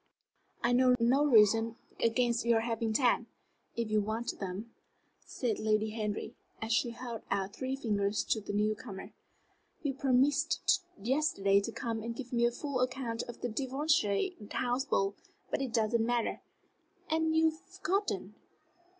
"I know no reason against your having ten, if you want them," said Lady Henry, as she held out three fingers to the new comer. "You promised yesterday to come and give me a full account of the Devonshire House ball. But it doesn't matter and you have forgotten."